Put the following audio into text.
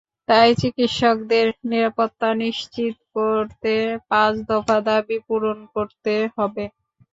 তাই চিকিৎসকদের নিরাপত্তা নিশ্চিত করতে পাঁচ দফা দাবি পূরণ করতে হবে।